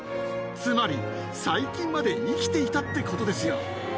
つまり、最近まで生きていたってことですよ。